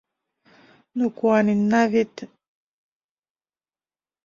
Ну куаненна вет...